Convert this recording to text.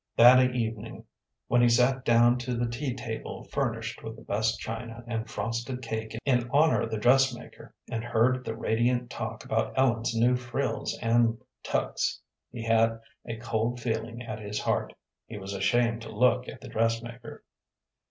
That evening, when he sat down to the tea table furnished with the best china and frosted cake in honor of the dressmaker, and heard the radiant talk about Ellen's new frills and tucks, he had a cold feeling at his heart. He was ashamed to look at the dressmaker.